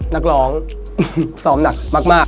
นักร้องซ้อมหนักมาก